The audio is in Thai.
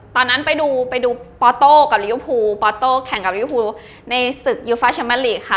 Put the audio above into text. ตอนนั้นไปดูไปดูปอโต้กับลิเวอร์พูลปอโต้แข่งกับลิวภูในศึกยูฟาแชมมาลีกค่ะ